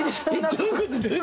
どういうこと？